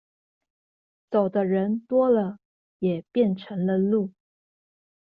走的人多了，也便成了路